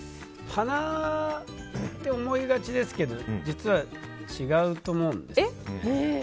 鼻って思いがちですけど実は違うと思うんです。